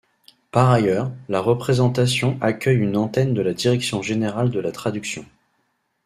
Par ailleurs, la Représentation accueille une antenne de la Direction générale de la traduction.